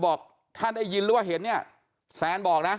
บอกถ้าได้ยินหรือว่าเห็นเนี่ยแซนบอกนะ